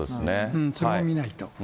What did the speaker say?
そこを見ないと。